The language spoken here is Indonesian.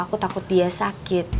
aku takut dia sakit